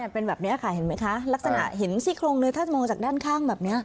เป็นแบบนี้ค่ะเห็นไหมคะลักษณะเห็นซี่โครงเลยถ้ามองจากด้านข้างแบบนี้